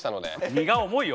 荷が重いよ